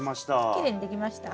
きれいに出来ました？